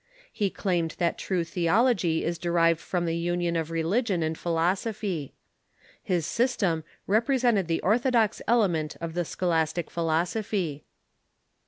He claimed that true theology is derived from the union of religion and philosophy. His system represented the orthodox element of the scholastic philosophy.